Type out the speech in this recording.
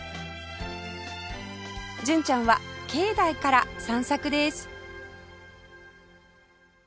純ちゃんは境内から散策です